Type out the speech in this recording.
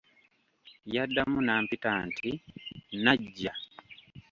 Yaddamu n'ampita nti, "Nnajja?"